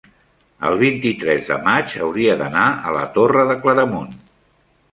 el vint-i-tres de maig hauria d'anar a la Torre de Claramunt.